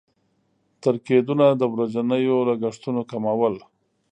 تر کېدونه د ورځنيو لګښتونو کمول.